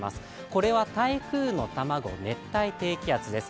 これは台風の卵、熱帯低気圧です。